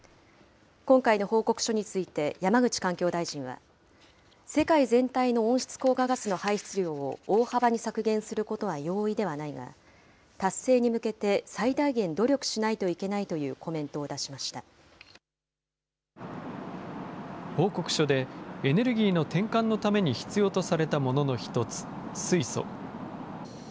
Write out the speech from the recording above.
今回の報告書について、山口環境大臣は、世界全体の温室効果ガスの排出量を大幅に削減することは容易ではないが、達成に向けて最大限努力しないといけないというコメントを出しま報告書で、エネルギーの転換のために必要とされたものの一つ、水素。